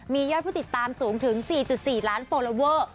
มียอดผู้ติดตามสูงถึง๔๔ล้านโฟลอเวอร์